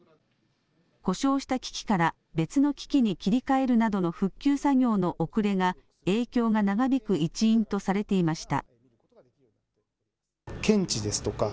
故障した機器から別の機器に切り替えるなどの復旧作業の遅れが、影響が長引く一因とされていました。